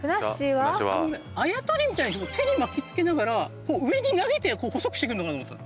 あのねあやとりみたいに手に巻きつけながらこう上に投げて細くしてくるのかと思ったの。